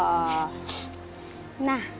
สูงขัด